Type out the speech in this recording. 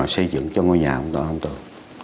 xây dựng cho ngôi nhà của ông tường